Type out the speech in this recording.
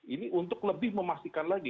ini untuk lebih memastikan lagi